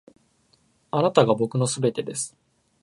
あなたが僕の全てです．